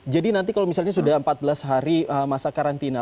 jadi nanti kalau misalnya sudah empat belas hari masa karantina